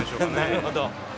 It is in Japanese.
なるほど。